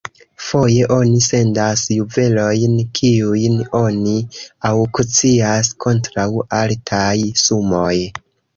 Foje oni sendas juvelojn, kiujn oni aŭkcias kontraŭ altaj sumoj.